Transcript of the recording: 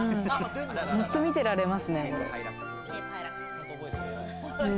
ずっと見てられますね。